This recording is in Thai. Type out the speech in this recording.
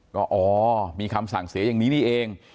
ก็อ๋อมีคำสั่งเสียอย่างนี้นี่เอง